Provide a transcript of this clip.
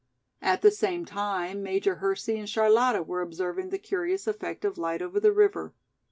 At the same time Major Hersey and Charlotta were observing the curious effect of light over the river.